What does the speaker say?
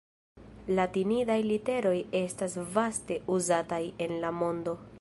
Latinidaj literoj estas vaste uzataj en la mondo.